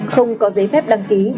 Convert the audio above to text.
không có giấy phép đăng ký